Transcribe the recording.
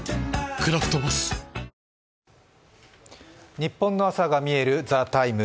日本の朝が見える「ＴＨＥＴＩＭＥ，」。